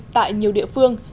tại nhiều địa phương